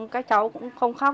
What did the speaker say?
các cháu cũng không khóc